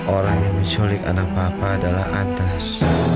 orang yang menculik anak papa adalah atas